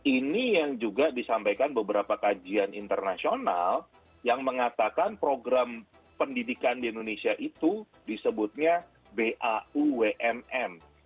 ini yang juga disampaikan beberapa kajian internasional yang mengatakan program pendidikan di indonesia itu disebutnya baumm